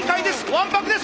わんぱくです！